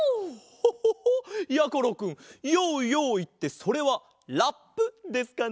ホホホ！やころくんＹＯＹＯいってそれはラップですかな？